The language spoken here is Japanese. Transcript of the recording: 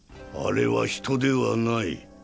あれは人ではない。